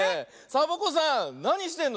サボ子さん